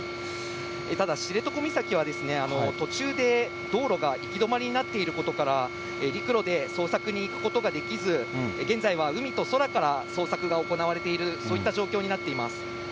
ただ知床岬は、途中で道路が行き止まりになっていることから、陸路で捜索に行くことができず、現在は海と空から捜索が行われている、そういった状況になっています。